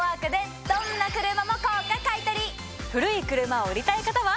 古い車を売りたい方は。